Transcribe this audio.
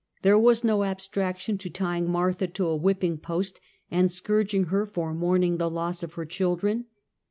There was no abstraction in tying Martha to a whipping post and scourging her for mourning the loss of her children.